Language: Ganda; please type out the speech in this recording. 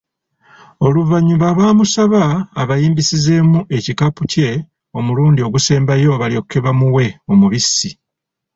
Oluvanyuma baamusaba abayimbisizeemu ekikapu kye omulundi ogusembayo balyoke bamuwe omubisi.